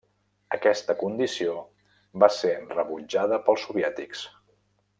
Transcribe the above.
Aquesta condició va ser rebutjada pels soviètics.